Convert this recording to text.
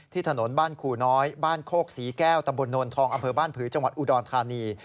ถนนบ้านขู่น้อยบ้านโคกศรีแก้วตำบลโนนทองอำเภอบ้านผือจังหวัดอุดรธานี